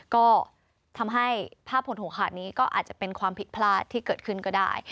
ก็ทำให้ภาพผลของขาดนี้ก็อาจจะเป็นความผิดพลาดที่เกิดขึ้นก็ได้